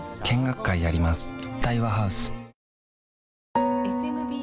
見学会やります